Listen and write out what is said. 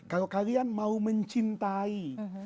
kalau kalian mau mencintai